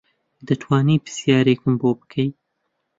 دەتوانی پرسیارێکم بۆ بکەی